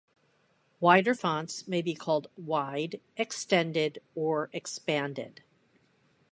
Wider fonts may be called "wide", "extended" or "expanded".